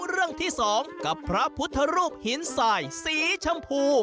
เรื่องที่สองกับพระพุทธรูปหินสายสีชมพู